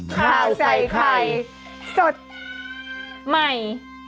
ข่าวใส่ไข่สดใหม่